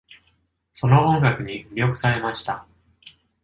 その音楽に魅了されました。